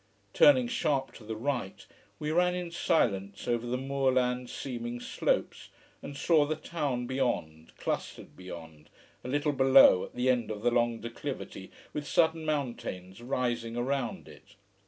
Turning sharp to the right, we ran in silence over the moor land seeming slopes, and saw the town beyond, clustered beyond, a little below, at the end of the long declivity, with sudden mountains rising around it.